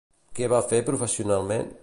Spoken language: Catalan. Què va fer professionalment?